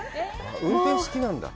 運転、好きなんだ。